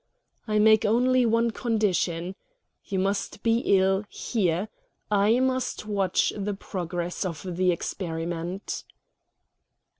"I make only one condition. You must be ill here; I must watch the progress of the experiment."